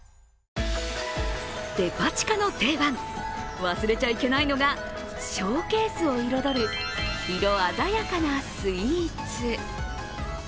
デパ地下の定番、忘れちゃいけないのがショーケースを彩る色鮮やかなスイーツ。